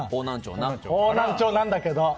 方南町なんだけど！